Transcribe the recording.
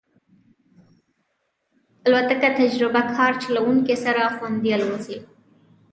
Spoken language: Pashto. الوتکه له تجربهکار چلونکي سره خوندي الوزي.